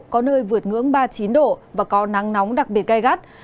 có nơi vượt ngưỡng ba mươi chín độ và có nắng nóng đặc biệt gai gắt